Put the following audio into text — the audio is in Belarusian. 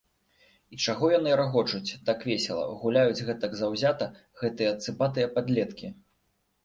І чаго яны рагочуць так весела, гуляюць гэтак заўзята, гэтыя цыбатыя падлеткі?